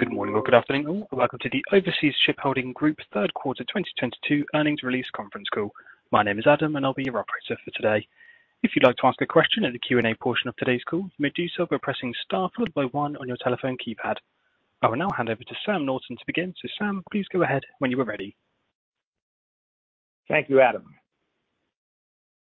Good morning or good afternoon all. Welcome to the Overseas Shipholding Group third quarter 2022 earnings release conference call. My name is Adam, and I'll be your operator for today. If you'd like to ask a question in the Q&A portion of today's call, you may do so by pressing star followed by one on your telephone keypad. I will now hand over to Sam Norton to begin. Sam, please go ahead when you are ready. Thank you, Adam.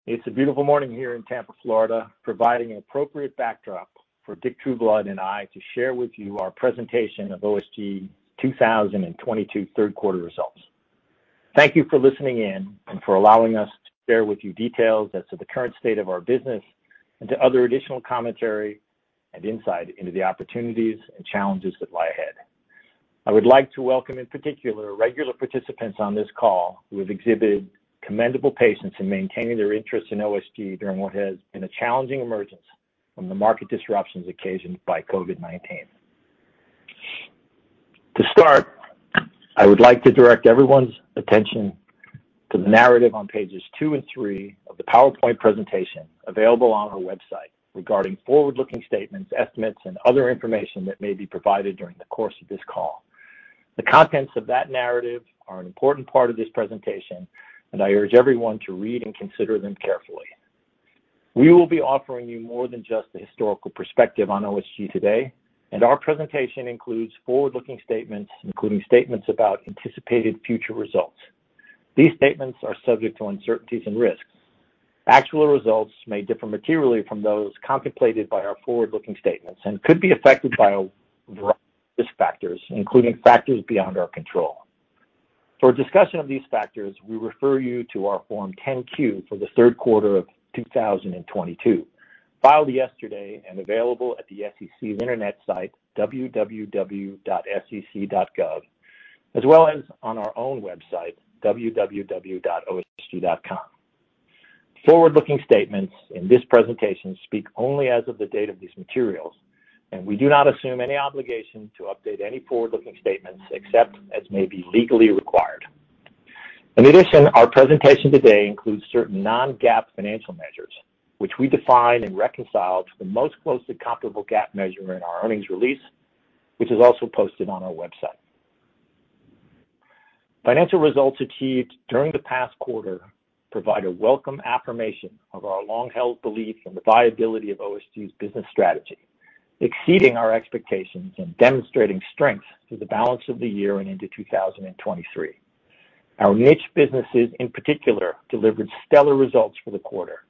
It's a beautiful morning here in Tampa, Florida, providing an appropriate backdrop for Dick Trueblood and I to share with you our presentation of OSG 2022 third quarter results. Thank you for listening in and for allowing us to share with you details as to the current state of our business and to other additional commentary and insight into the opportunities and challenges that lie ahead. I would like to welcome in particular regular participants on this call who have exhibited commendable patience in maintaining their interest in OSG during what has been a challenging emergence from the market disruptions occasioned by COVID-19. To start, I would like to direct everyone's attention to the narrative on pages two and three of the PowerPoint presentation available on our website regarding forward-looking statements, estimates, and other information that may be provided during the course of this call. The contents of that narrative are an important part of this presentation, and I urge everyone to read and consider them carefully. We will be offering you more than just a historical perspective on OSG today, and our presentation includes forward-looking statements, including statements about anticipated future results. These statements are subject to uncertainties and risks. Actual results may differ materially from those contemplated by our forward-looking statements and could be affected by a variety of risk factors, including factors beyond our control. For a discussion of these factors, we refer you to our Form 10-Q for the third quarter of 2022, filed yesterday and available at the SEC's internet site, www.sec.gov, as well as on our own website, www.osg.com. Forward-looking statements in this presentation speak only as of the date of these materials, and we do not assume any obligation to update any forward-looking statements except as may be legally required. In addition, our presentation today includes certain non-GAAP financial measures, which we define and reconcile to the most closely comparable GAAP measure in our earnings release, which is also posted on our website. Financial results achieved during the past quarter provide a welcome affirmation of our long-held belief in the viability of OSG's business strategy, exceeding our expectations and demonstrating strength through the balance of the year and into 2023. Our niche businesses in particular delivered stellar results for the quarter,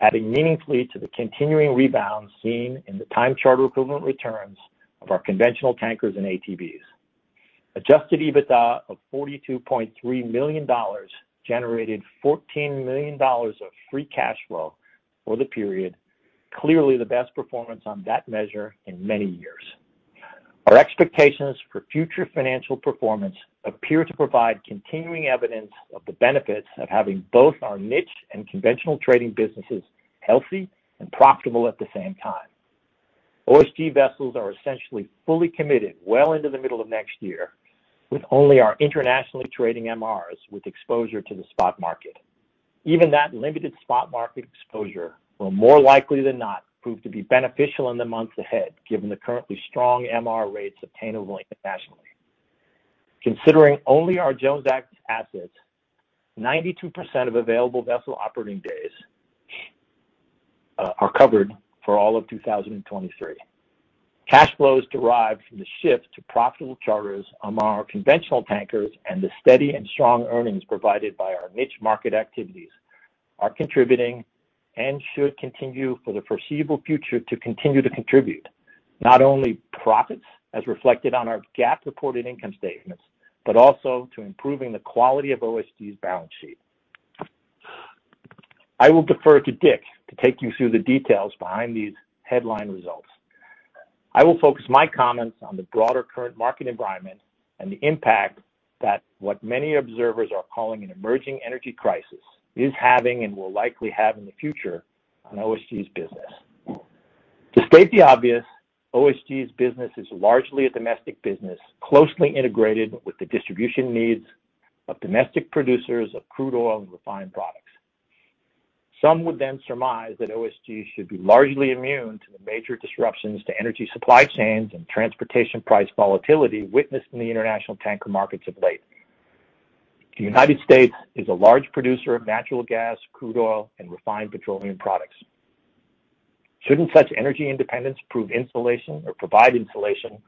adding meaningfully to the continuing rebound seen in the time charter equivalent returns of our conventional tankers and ATBs. Adjusted EBITDA of $42.3 million generated $14 million of free cash flow for the period, clearly the best performance on that measure in many years. Our expectations for future financial performance appear to provide continuing evidence of the benefits of having both our niche and conventional trading businesses healthy and profitable at the same time. OSG vessels are essentially fully committed well into the middle of next year, with only our internationally trading MRs with exposure to the spot market. Even that limited spot market exposure will more likely than not prove to be beneficial in the months ahead, given the currently strong MR rates obtainable internationally. Considering only our Jones Act assets, 92% of available vessel operating days are covered for all of 2023. Cash flows derived from the shift to profitable charters among our conventional tankers and the steady and strong earnings provided by our niche market activities are contributing and should continue for the foreseeable future to continue to contribute, not only profits as reflected on our GAAP-reported income statements, but also to improving the quality of OSG's balance sheet. I will defer to Dick to take you through the details behind these headline results. I will focus my comments on the broader current market environment and the impact that what many observers are calling an emerging energy crisis is having and will likely have in the future on OSG's business. To state the obvious, OSG's business is largely a domestic business closely integrated with the distribution needs of domestic producers of crude oil and refined products. Some would then surmise that OSG should be largely immune to the major disruptions to energy supply chains and transportation price volatility witnessed in the international tanker markets of late. The United States is a large producer of natural gas, crude oil, and refined petroleum products. Shouldn't such energy independence prove insulation or provide insulation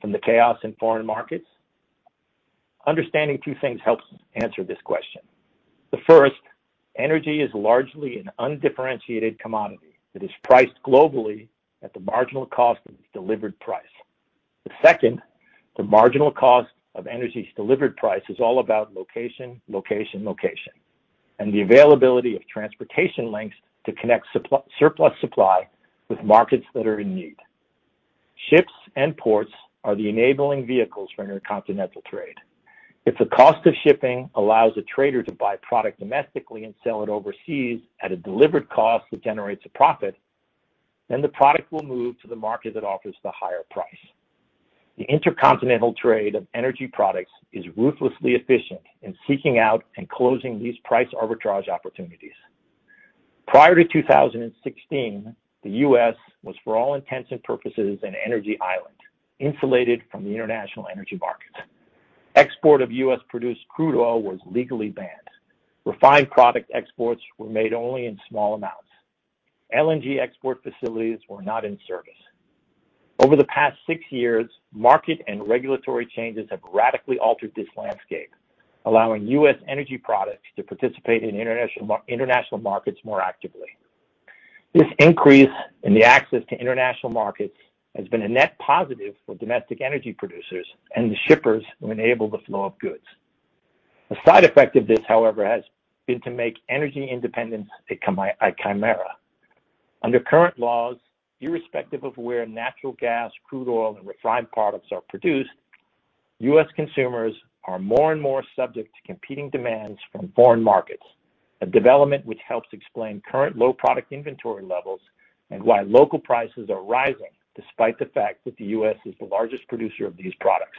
from the chaos in foreign markets? Understanding two things helps answer this question. The first, energy is largely an undifferentiated commodity that is priced globally at the marginal cost of its delivered price. The second, the marginal cost of energy's delivered price is all about location, location, and the availability of transportation links to connect surplus supply with markets that are in need. Ships and ports are the enabling vehicles for intercontinental trade. If the cost of shipping allows a trader to buy product domestically and sell it overseas at a delivered cost that generates a profit, then the product will move to the market that offers the higher price. The intercontinental trade of energy products is ruthlessly efficient in seeking out and closing these price arbitrage opportunities. Prior to 2016, the U.S. was, for all intents and purposes, an energy island insulated from the international energy market. Export of U.S.-produced crude oil was legally banned. Refined product exports were made only in small amounts. LNG export facilities were not in service. Over the past six years, market and regulatory changes have radically altered this landscape, allowing U.S. energy products to participate in international markets more actively. This increase in the access to international markets has been a net positive for domestic energy producers and the shippers who enable the flow of goods. A side effect of this, however, has been to make energy independence a chimera. Under current laws, irrespective of where natural gas, crude oil, and refined products are produced, U.S. consumers are more and more subject to competing demands from foreign markets, a development which helps explain current low product inventory levels and why local prices are rising despite the fact that the U.S. is the largest producer of these products.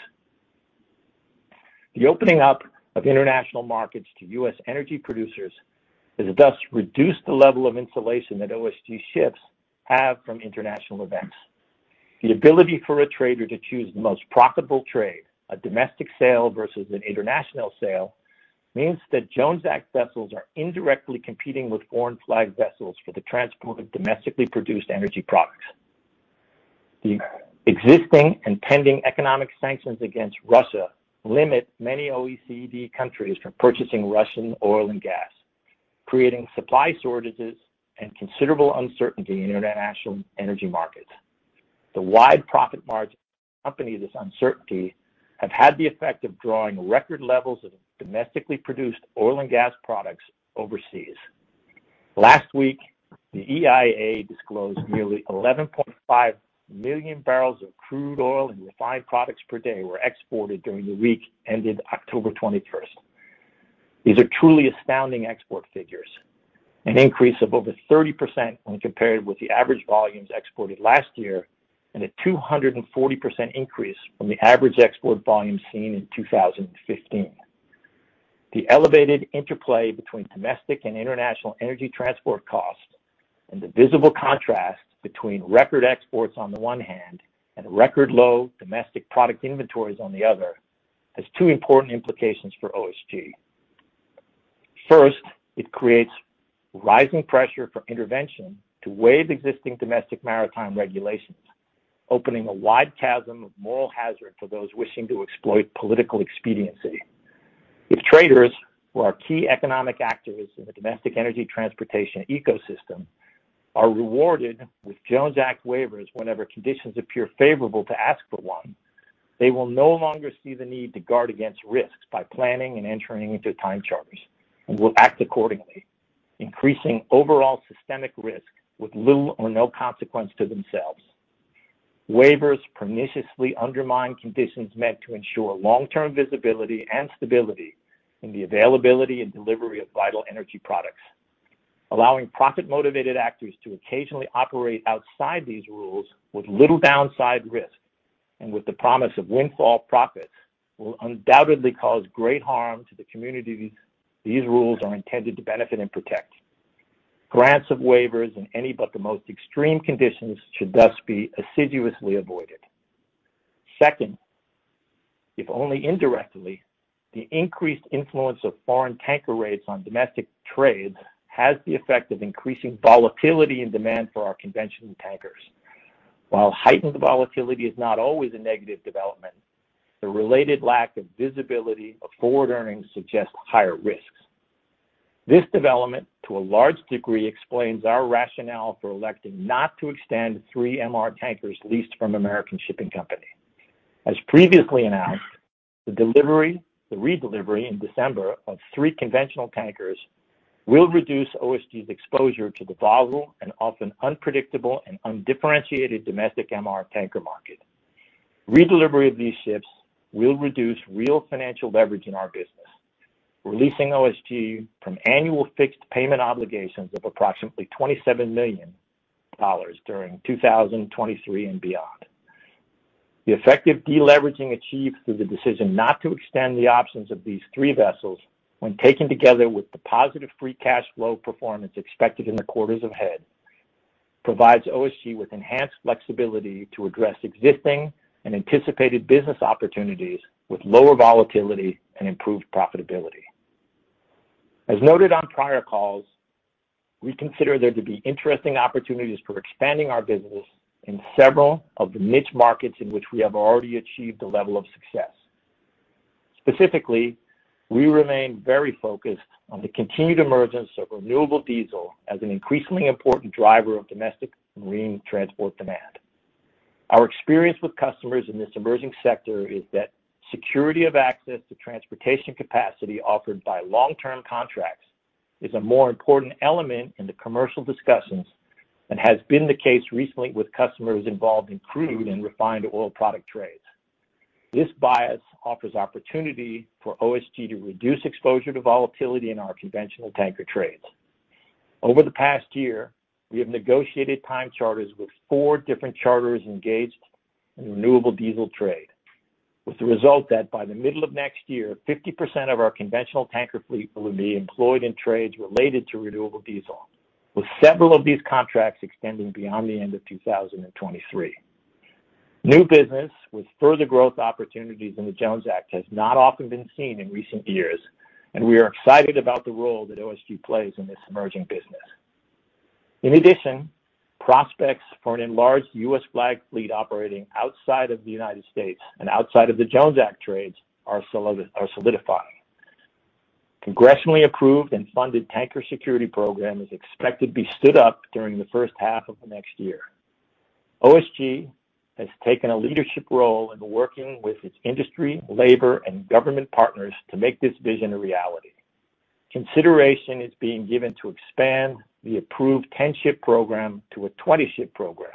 The opening up of international markets to U.S. energy producers has thus reduced the level of insulation that OSG ships have from international events. The ability for a trader to choose the most profitable trade, a domestic sale versus an international sale, means that Jones Act vessels are indirectly competing with foreign flag vessels for the transport of domestically produced energy products. The existing and pending economic sanctions against Russia limit many OECD countries from purchasing Russian oil and gas, creating supply shortages and considerable uncertainty in international energy markets. The wide profit margins accompanying this uncertainty have had the effect of drawing record levels of domestically produced oil and gas products overseas. Last week, the EIA disclosed nearly 11.5 million barrels of crude oil and refined products per day were exported during the week ended October 21st. These are truly astounding export figures, an increase of over 30% when compared with the average volumes exported last year and a 240% increase from the average export volume seen in 2015. The elevated interplay between domestic and international energy transport costs and the visible contrast between record exports on the one hand and record-low domestic product inventories on the other has two important implications for OSG. First, it creates rising pressure for intervention to waive existing domestic maritime regulations, opening a wide chasm of moral hazard for those wishing to exploit political expediency. If traders, who are key economic actors in the domestic energy transportation ecosystem, are rewarded with Jones Act waivers whenever conditions appear favorable to ask for one, they will no longer see the need to guard against risks by planning and entering into time charters and will act accordingly, increasing overall systemic risk with little or no consequence to themselves. Waivers perniciously undermine conditions meant to ensure long-term visibility and stability in the availability and delivery of vital energy products. Allowing profit-motivated actors to occasionally operate outside these rules with little downside risk and with the promise of windfall profits will undoubtedly cause great harm to the communities these rules are intended to benefit and protect. Grants of waivers in any but the most extreme conditions should thus be assiduously avoided. Second, if only indirectly, the increased influence of foreign tanker rates on domestic trade has the effect of increasing volatility and demand for our conventional tankers. While heightened volatility is not always a negative development, the related lack of visibility of forward earnings suggests higher risks. This development, to a large degree, explains our rationale for electing not to extend three MR tankers leased from American Shipping Company. As previously announced, the redelivery in December of three conventional tankers will reduce OSG's exposure to the volatile and often unpredictable and undifferentiated domestic MR tanker market. Redelivery of these ships will reduce real financial leverage in our business, releasing OSG from annual fixed payment obligations of approximately $27 million during 2023 and beyond. The effective deleveraging achieved through the decision not to extend the options of these three vessels when taken together with the positive free cash flow performance expected in the quarters ahead, provides OSG with enhanced flexibility to address existing and anticipated business opportunities with lower volatility and improved profitability. As noted on prior calls, we consider there to be interesting opportunities for expanding our business in several of the niche markets in which we have already achieved a level of success. Specifically, we remain very focused on the continued emergence of renewable diesel as an increasingly important driver of domestic marine transport demand. Our experience with customers in this emerging sector is that security of access to transportation capacity offered by long-term contracts is a more important element in the commercial discussions and has been the case recently with customers involved in crude and refined oil product trades. This bias offers opportunity for OSG to reduce exposure to volatility in our conventional tanker trades. Over the past year, we have negotiated time charters with four different charters engaged in renewable diesel trade. With the result that by the middle of next year, 50% of our conventional tanker fleet will be employed in trades related to renewable diesel, with several of these contracts extending beyond the end of 2023. New business with further growth opportunities in the Jones Act has not often been seen in recent years, and we are excited about the role that OSG plays in this emerging business. In addition, prospects for an enlarged U.S. flag fleet operating outside of the United States and outside of the Jones Act trades are solidifying. Congressionally approved and funded Tanker Security Program is expected to be stood up during the first half of the next year. OSG has taken a leadership role in working with its industry, labor, and government partners to make this vision a reality. Consideration is being given to expand the approved 10 ship program to a 20 ship program.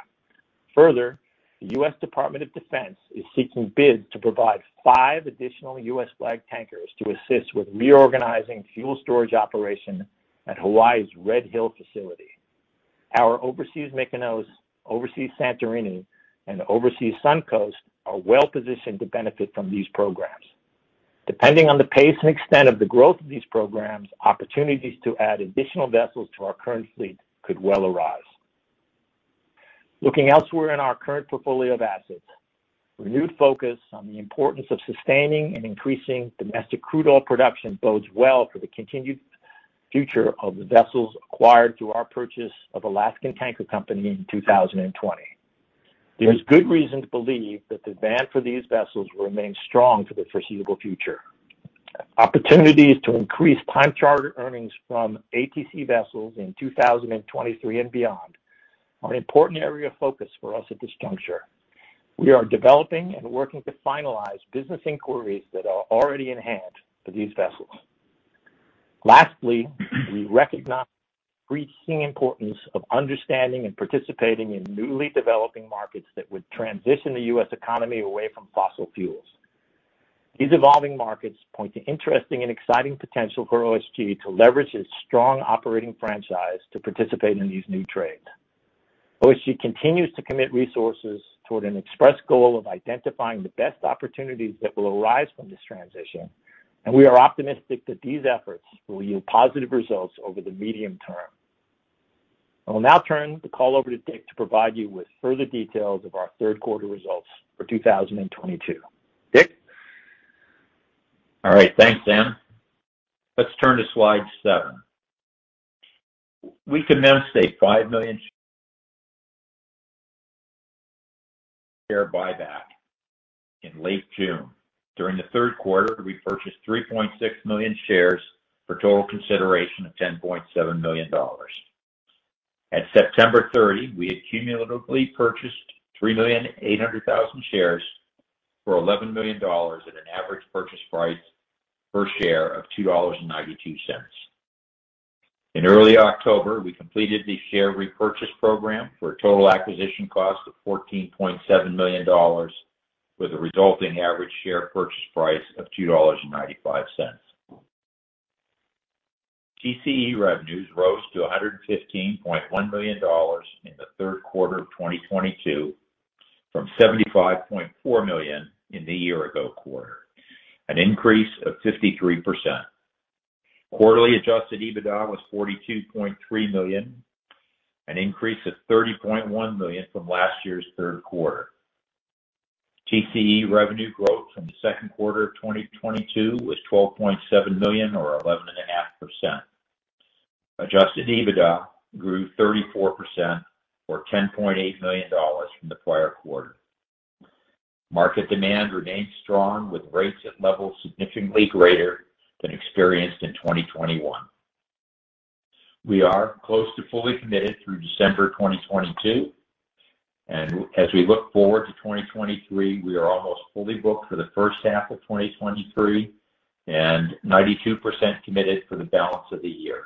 Further, the U.S. Department of Defense is seeking bids to provide five additional U.S. flag tankers to assist with reorganizing fuel storage operation at Hawaii's Red Hill facility. Our Overseas Mykonos, Overseas Santorini, and the Overseas Suncoast are well-positioned to benefit from these programs. Depending on the pace and extent of the growth of these programs, opportunities to add additional vessels to our current fleet could well arise. Looking elsewhere in our current portfolio of assets, renewed focus on the importance of sustaining and increasing domestic crude oil production bodes well for the continued future of the vessels acquired through our purchase of Alaska Tanker Company in 2020. There is good reason to believe that demand for these vessels will remain strong for the foreseeable future. Opportunities to increase time charter earnings from ATC vessels in 2023 and beyond are an important area of focus for us at this juncture. We are developing and working to finalize business inquiries that are already in hand for these vessels. Lastly, we recognize the increasing importance of understanding and participating in newly developing markets that would transition the U.S. economy away from fossil fuels. These evolving markets point to interesting and exciting potential for OSG to leverage its strong operating franchise to participate in these new trades. OSG continues to commit resources toward an express goal of identifying the best opportunities that will arise from this transition, and we are optimistic that these efforts will yield positive results over the medium term. I will now turn the call over to Dick to provide you with further details of our third quarter results for 2022. Dick? All right. Thanks, Sam. Let's turn to slide seven. We commenced a 5 million share buyback in late June. During the third quarter, we purchased 3.6 million shares for total consideration of $10.7 million. At September 30, we had cumulatively purchased 3.8 million shares for $11 million at an average purchase price per share of $2.92. In early October, we completed the share repurchase program for a total acquisition cost of $14.7 million, with a resulting average share purchase price of $2.95. TCE revenues rose to $115.1 million in the third quarter of 2022 from $75.4 million in the year-ago quarter, an increase of 53%. Quarterly adjusted EBITDA was $42.3 million, an increase of $30.1 million from last year's third quarter. TCE revenue growth from the second quarter of 2022 was $12.7 million or 11.5%. Adjusted EBITDA grew 34% or $10.8 million from the prior quarter. Market demand remained strong with rates at levels significantly greater than experienced in 2021. We are close to fully committed through December 2022. As we look forward to 2023, we are almost fully booked for the first half of 2023 and 92% committed for the balance of the year.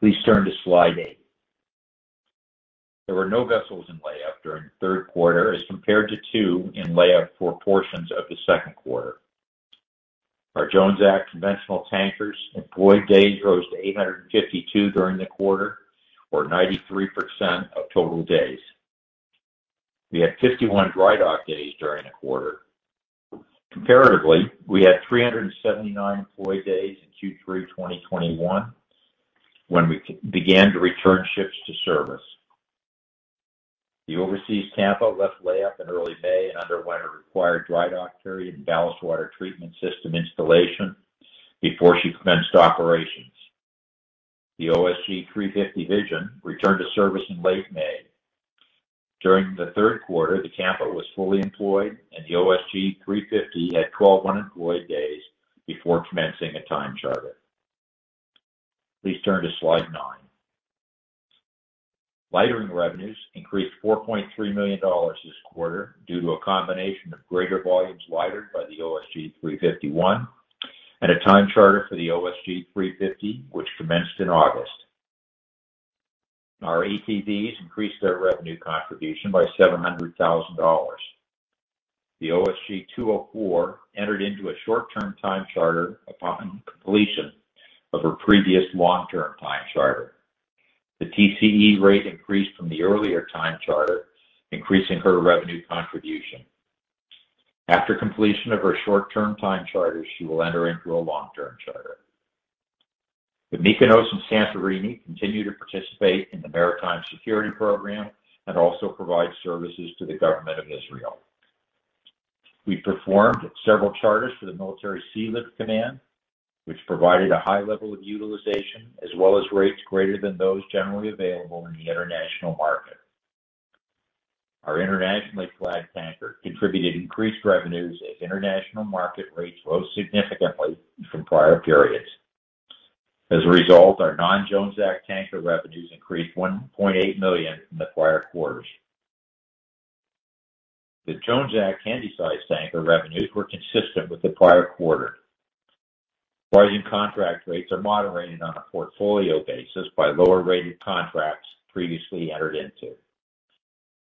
Please turn to slide eight. There were no vessels in layup during the third quarter as compared to two in layup for portions of the second quarter. Our Jones Act conventional tankers employed days rose to 852 during the quarter or 93% of total days. We had 51 dry dock days during the quarter. Comparatively, we had 379 employed days in Q3 2021 when we began to return ships to service. The Overseas Tampa left layup in early May and underwent a required dry dock period and ballast water treatment system installation before she commenced operations. The OSG 350 Vision returned to service in late May. During the third quarter, the Tampa was fully employed and the OSG 350 had 12 unemployed days before commencing a time charter. Please turn to slide nine. Lightering revenues increased $4.3 million this quarter due to a combination of greater volumes lightered by the OSG 351 and a time charter for the OSG 350, which commenced in August. Our ATBs increased their revenue contribution by $700,000. The OSG 204 entered into a short-term time charter upon completion of her previous long-term time charter. The TCE rate increased from the earlier time charter, increasing her revenue contribution. After completion of her short-term time charter, she will enter into a long-term charter. The Mykonos and Santorini continue to participate in the Maritime Security Program and also provide services to the government of Israel. We performed several charters for the Military Sealift Command, which provided a high level of utilization as well as rates greater than those generally available in the international market. Our internationally flagged tanker contributed increased revenues as international market rates rose significantly from prior periods. As a result, our non-Jones Act tanker revenues increased $1.8 million from the prior quarters. The Jones Act handysize tanker revenues were consistent with the prior quarter. Bargain contract rates are moderating on a portfolio basis by lower-rated contracts previously entered into.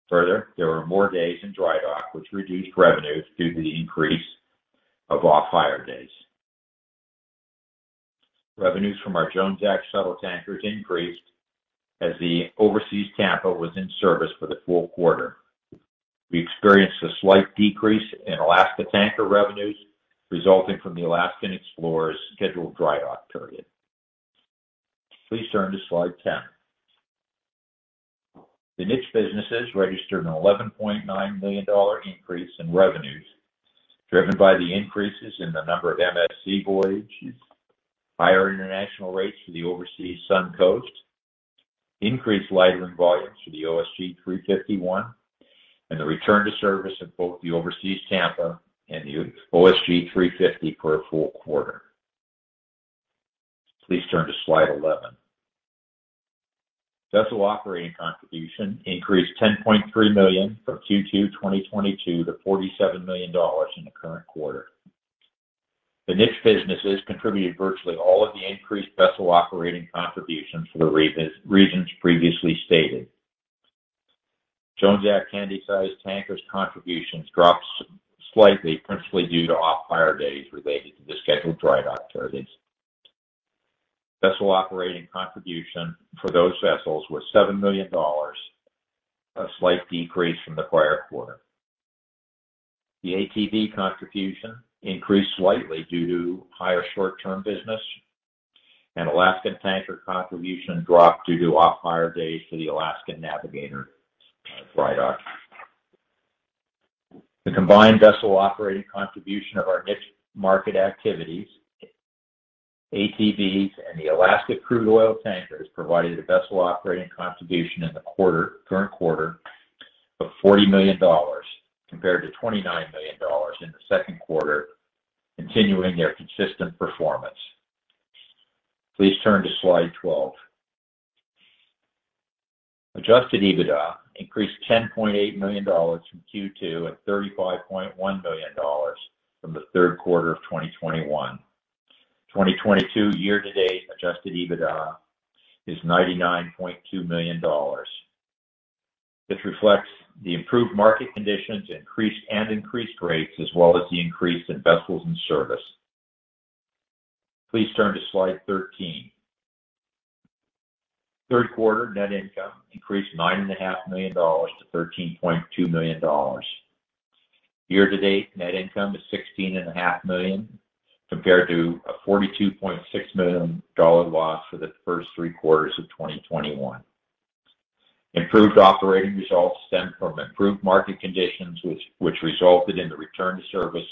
Further, there were more days in dry dock, which reduced revenues due to the increase of off-hire days. Revenues from our Jones Act shuttle tankers increased as the Overseas Tampa was in service for the full quarter. We experienced a slight decrease in Alaska tanker revenues resulting from the Alaskan Explorer's scheduled dry dock period. Please turn to slide 10. The niche businesses registered a $11.9 million increase in revenues, driven by the increases in the number of MSC voyages, higher international rates for the Overseas Suncoast, increased lightering volumes for the OSG 351, and the return to service of both the Overseas Tampa and the OSG 350 for a full quarter. Please turn to slide 11. Vessel operating contribution increased $10.3 million from Q2 2022 to $47 million in the current quarter. The niche businesses contributed virtually all of the increased vessel operating contributions for the reasons previously stated. Jones Act handysize tankers contributions dropped slightly, principally due to off-hire days related to the scheduled dry dock periods. Vessel operating contribution for those vessels was $7 million, a slight decrease from the prior quarter. The ATB contribution increased slightly due to higher short-term business, and Alaskan tanker contribution dropped due to off-hire days for the Alaskan Navigator dry dock. The combined vessel operating contribution of our niche market activities, ATBs, and the Alaska crude oil tankers provided a vessel operating contribution in the quarter, current quarter of $40 million compared to $29 million in the second quarter, continuing their consistent performance. Please turn to slide 12. Adjusted EBITDA increased $10.8 million from Q2 at $35.1 million from the third quarter of 2021. 2022 year-to-date adjusted EBITDA is $99.2 million. This reflects the improved market conditions, increased rates, as well as the increase in vessels in service. Please turn to slide 13. Third quarter net income increased $9.5 million-$13.2 million. Year-to-date net income is $16.5 million, compared to a $42.6 million loss for the first three quarters of 2021. Improved operating results stem from improved market conditions, which resulted in the return to service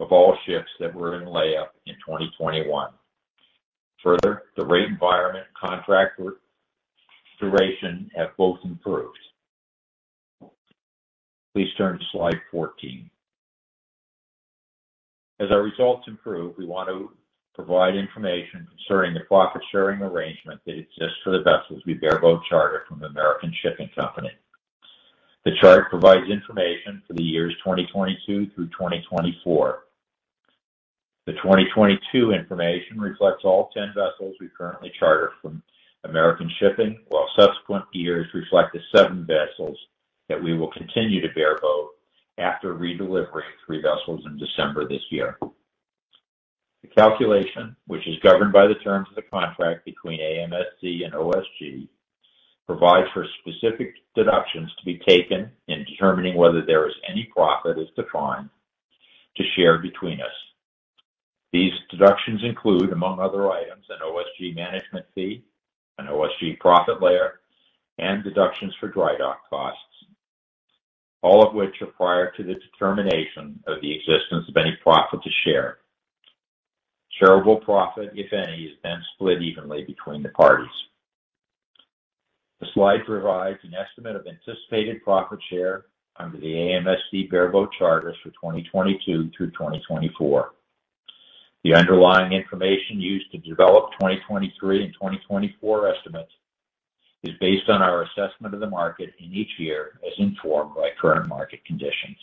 of all ships that were in layup in 2021. Further, the rate environment contract duration have both improved. Please turn to slide 14. As our results improve, we want to provide information concerning the profit-sharing arrangement that exists for the vessels we bareboat charter from American Shipping Company. The chart provides information for the years 2022 through 2024. The 2022 information reflects all 10 vessels we currently charter from American Shipping, while subsequent years reflect the seven vessels that we will continue to bareboat after redelivery of three vessels in December this year. The calculation, which is governed by the terms of the contract between AMSC and OSG, provides for specific deductions to be taken in determining whether there is any profit, as defined, to share between us. These deductions include, among other items, an OSG management fee, an OSG profit layer, and deductions for dry dock costs, all of which are prior to the determination of the existence of any profit to share. Shareable profit, if any, is then split evenly between the parties. The slide provides an estimate of anticipated profit share under the AMSC bareboat charters for 2022 through 2024. The underlying information used to develop 2023 and 2024 estimates is based on our assessment of the market in each year as informed by current market conditions.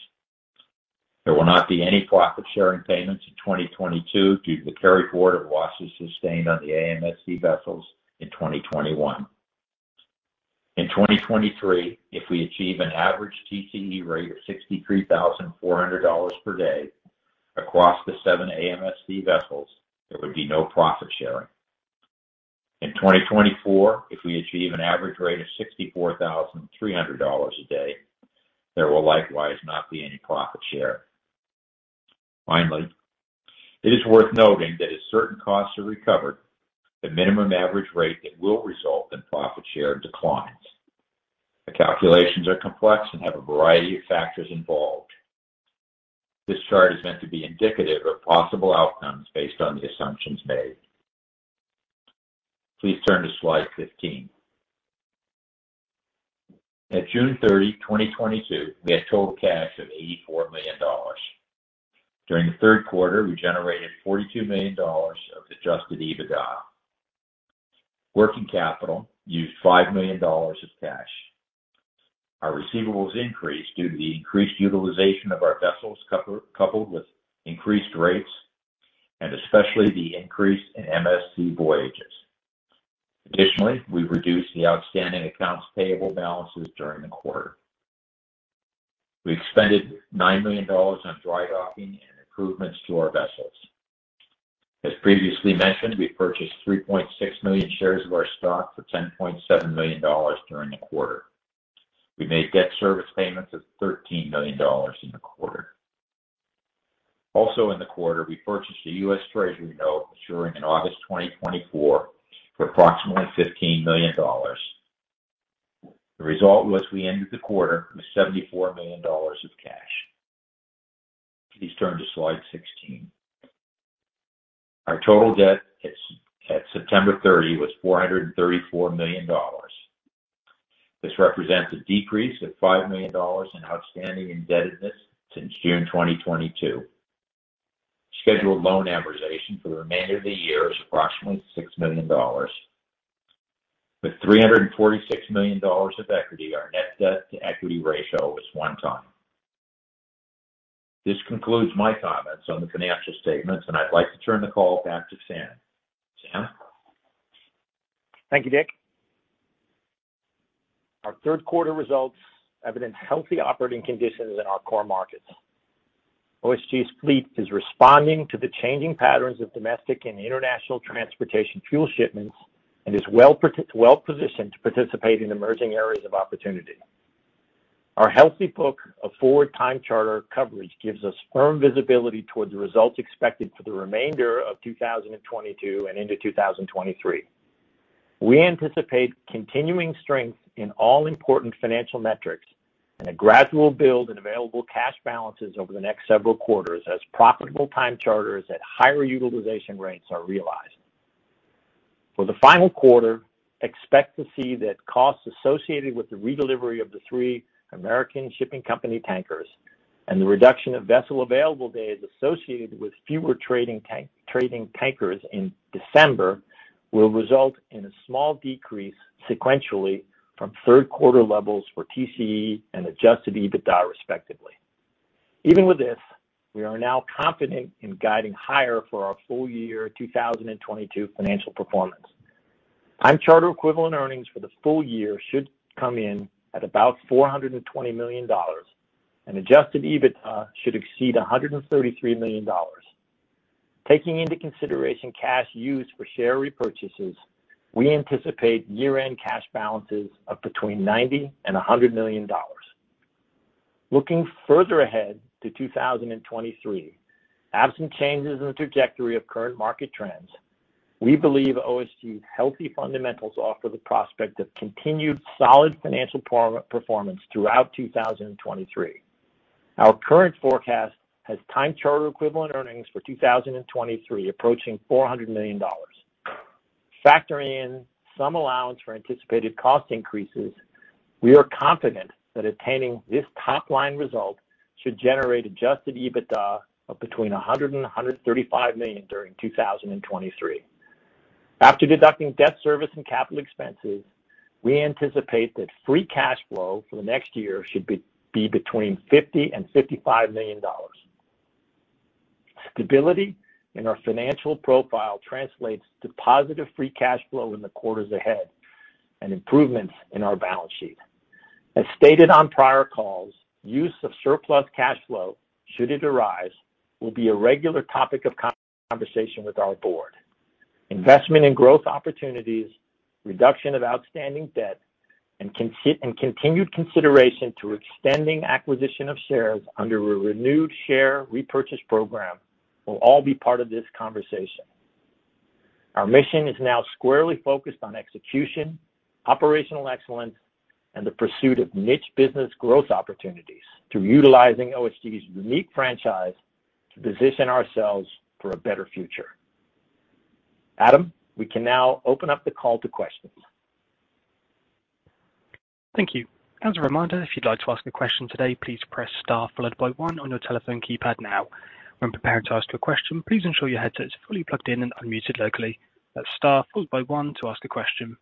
There will not be any profit-sharing payments in 2022 due to the carryforward of losses sustained on the AMSC vessels in 2021. In 2023, if we achieve an average TCE rate of $63,400 per day across the seven AMSC vessels, there would be no profit sharing. In 2024, if we achieve an average rate of $64,300 a day, there will likewise not be any profit share. Finally, it is worth noting that as certain costs are recovered, the minimum average rate that will result in profit share declines. The calculations are complex and have a variety of factors involved. This chart is meant to be indicative of possible outcomes based on the assumptions made. Please turn to slide 15. At June 30, 2022, we had total cash of $84 million. During the third quarter, we generated $42 million of adjusted EBITDA. Working capital used $5 million of cash. Our receivables increased due to the increased utilization of our vessels coupled with increased rates, and especially the increase in MSC voyages. Additionally, we reduced the outstanding accounts payable balances during the quarter. We expended $9 million on dry docking and improvements to our vessels. As previously mentioned, we purchased 3.6 million shares of our stock for $10.7 million during the quarter. We made debt service payments of $13 million in the quarter. Also in the quarter, we purchased a U.S. Treasury note maturing in August 2024 for approximately $15 million. The result was we ended the quarter with $74 million of cash. Please turn to slide 16. Our total debt at September 30 was $434 million. This represents a decrease of $5 million in outstanding indebtedness since June 2022. Scheduled loan amortization for the remainder of the year is approximately $6 million. With $346 million of equity, our net debt-to-equity ratio was 1x. This concludes my comments on the financial statements, and I'd like to turn the call back to Sam. Sam? Thank you, Dick. Our third quarter results evidence healthy operating conditions in our core markets. OSG's fleet is responding to the changing patterns of domestic and international transportation fuel shipments and is well-positioned to participate in emerging areas of opportunity. Our healthy book of forward time charter coverage gives us firm visibility towards the results expected for the remainder of 2022 and into 2023. We anticipate continuing strength in all important financial metrics and a gradual build in available cash balances over the next several quarters as profitable time charters at higher utilization rates are realized. For the final quarter, expect to see that costs associated with the redelivery of the three American Shipping Company tankers and the reduction of vessel available days associated with fewer trading tankers in December will result in a small decrease sequentially from third quarter levels for TCE and adjusted EBITDA, respectively. Even with this, we are now confident in guiding higher for our full-year 2022 financial performance. Time charter equivalent earnings for the full-year should come in at about $420 million, and adjusted EBITDA should exceed $133 million. Taking into consideration cash used for share repurchases, we anticipate year-end cash balances of between $90 million and $100 million. Looking further ahead to 2023, absent changes in the trajectory of current market trends, we believe OSG's healthy fundamentals offer the prospect of continued solid financial performance throughout 2023. Our current forecast has time charter equivalent earnings for 2023 approaching $400 million. Factoring in some allowance for anticipated cost increases, we are confident that attaining this top-line result should generate adjusted EBITDA of between $100 million and $135 million during 2023. After deducting debt service and capital expenses, we anticipate that free cash flow for the next year should be between $50 million and $55 million. Stability in our financial profile translates to positive free cash flow in the quarters ahead and improvements in our balance sheet. As stated on prior calls, use of surplus cash flow, should it arise, will be a regular topic of conversation with our board. Investment in growth opportunities, reduction of outstanding debt, and continued consideration to extending acquisition of shares under a renewed share repurchase program will all be part of this conversation. Our mission is now squarely focused on execution, operational excellence, and the pursuit of niche business growth opportunities through utilizing OSG's unique franchise to position ourselves for a better future. Adam, we can now open up the call to questions. Thank you. As a reminder, if you'd like to ask a question today, please press star followed by one on your telephone keypad now. When prepared to ask your question, please ensure your headset is fully plugged in and unmuted locally. That's star followed by one to ask a question.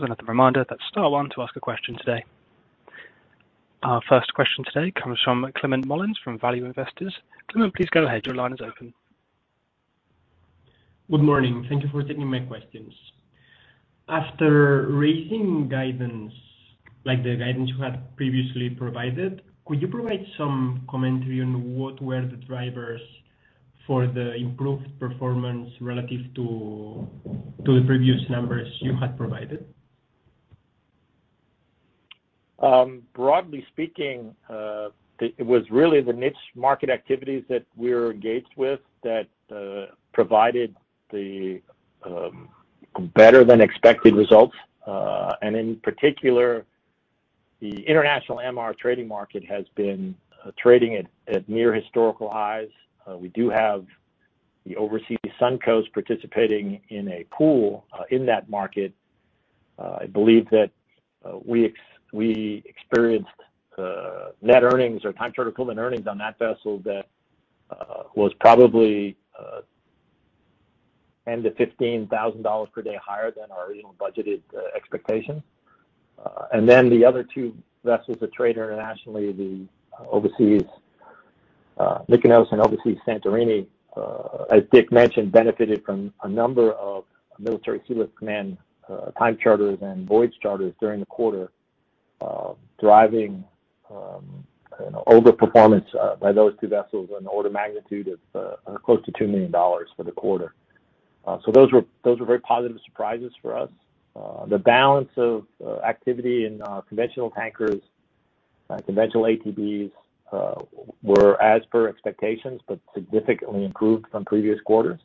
As another reminder, that's star one to ask a question today. Our first question today comes from Climent Molins from Value Investors. Climent, please go ahead. Your line is open. Good morning. Thank you for taking my questions. After raising guidance like the guidance you had previously provided, could you provide some commentary on what were the drivers for the improved performance relative to the previous numbers you had provided? Broadly speaking, it was really the niche market activities that we're engaged with that provided the better than expected results. In particular, the international MR trading market has been trading at near historical highs. We do have the Overseas Suncoast participating in a pool in that market. I believe that we experienced net earnings or time charter equivalent earnings on that vessel that was probably $10,000-$15,000 per day higher than our even budgeted expectations. The other two vessels that trade internationally, the Overseas Mykonos and Overseas Santorini, as Dick mentioned, benefited from a number of Military Sealift Command time charters and voyage charters during the quarter, driving overperformance by those two vessels on the order of magnitude of close to $2 million for the quarter. Those were very positive surprises for us. The balance of activity in conventional tankers, conventional ATBs, were as per expectations, but significantly improved from previous quarters.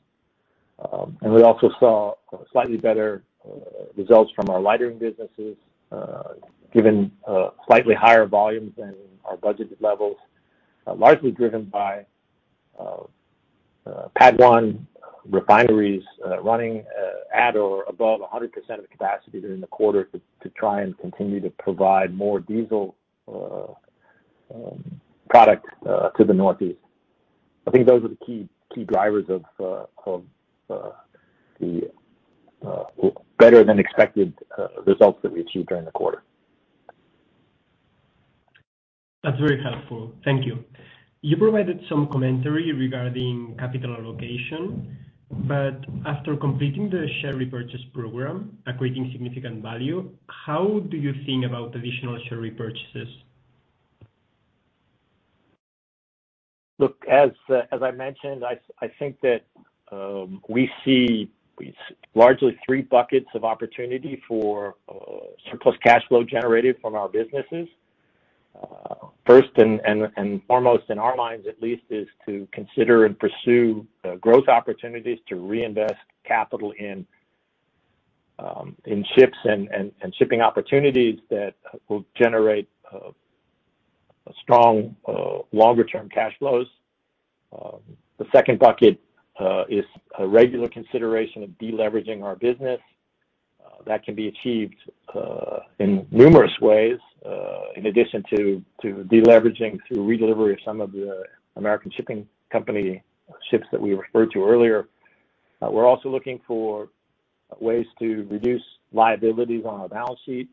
We also saw slightly better results from our lightering businesses, given slightly higher volumes than our budgeted levels, largely driven by PADD 1 refineries running at or above 100% of the capacity during the quarter to try and continue to provide more diesel product to the Northeast. I think those are the key drivers of the better than expected results that we achieved during the quarter. That's very helpful. Thank you. You provided some commentary regarding capital allocation, but after completing the share repurchase program, equating significant value, how do you think about additional share repurchases? Look, as I mentioned, I think that we see largely three buckets of opportunity for surplus cash flow generated from our businesses. First and foremost in our minds at least is to consider and pursue growth opportunities to reinvest capital in ships and shipping opportunities that will generate strong longer term cash flows. The second bucket is a regular consideration of deleveraging our business. That can be achieved in numerous ways, in addition to deleveraging through redelivery of some of the American Shipping Company ships that we referred to earlier. We're also looking for ways to reduce liabilities on our balance sheet.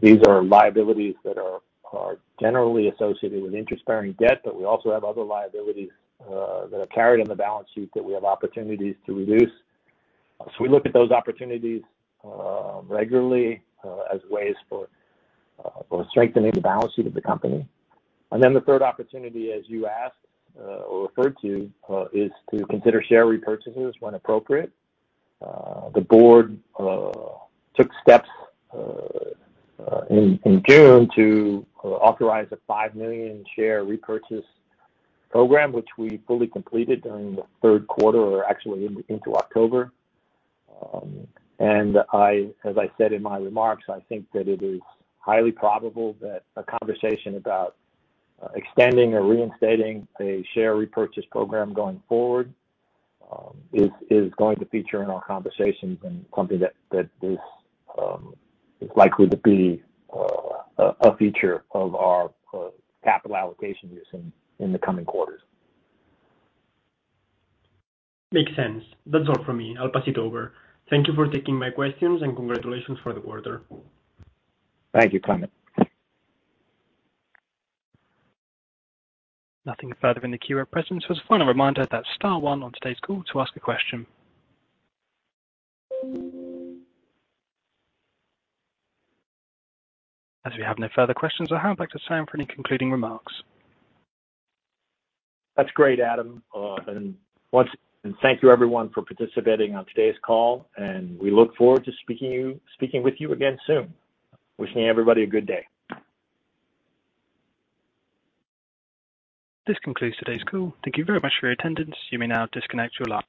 These are liabilities that are generally associated with interest-bearing debt, but we also have other liabilities that are carried on the balance sheet that we have opportunities to reduce. We look at those opportunities regularly as ways for strengthening the balance sheet of the company. Then the third opportunity, as you asked or referred to, is to consider share repurchases when appropriate. The board took steps in June to authorize a 5 million share repurchase program, which we fully completed during the third quarter or actually into October. I as I said in my remarks, I think that it is highly probable that a conversation about extending or reinstating a share repurchase program going forward is going to feature in our conversations and something that is likely to be a feature of our capital allocation use in the coming quarters. Makes sense. That's all from me. I'll pass it over. Thank you for taking my questions, and congratulations for the quarter. Thank you, Climent. Nothing further in the queue at present. As a final reminder that's star one on today's call to ask a question. As we have no further questions on hand, back to Sam for any concluding remarks. That's great, Adam. Once again, thank you everyone for participating on today's call, and we look forward to speaking with you again soon. Wishing everybody a good day. This concludes today's call. Thank you very much for your attendance. You may now disconnect your line.